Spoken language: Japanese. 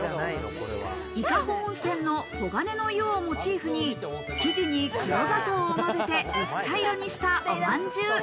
伊香保温泉の黄金の湯をモチーフに、生地に黒砂糖をまぜて薄茶色にしたおまんじゅう。